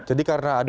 jadi karena ada